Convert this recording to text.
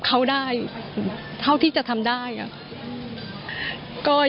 ลูกชายวัย๑๘ขวบบวชหน้าไฟให้กับพุ่งชนจนเสียชีวิตแล้วนะครับ